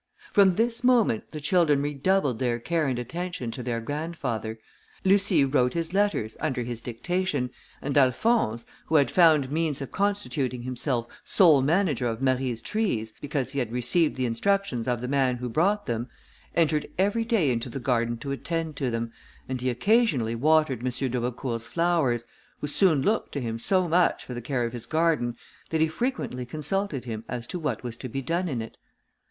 From this moment the children redoubled their care and attention to their grandfather. Lucie wrote his letters, under his dictation, and Alphonse, who had found means of constituting himself sole manager of Marie's trees, because he had received the instructions of the man who brought them, entered every day into the garden to attend to them, and he occasionally watered M. d'Aubecourt's flowers, who soon looked to him so much for the care of his garden, that he frequently consulted him as to what was to be done in it.